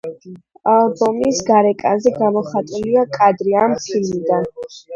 ალბომის გარეკანზე გამოტანილია კადრი ამ ფილმიდან.